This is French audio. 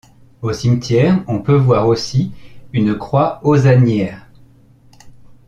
Au cimetière on peut voir aussi une croix hosannière.